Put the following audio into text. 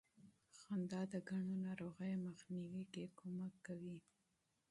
خندا د ګڼو ناروغیو مخنیوي کې مرسته کوي.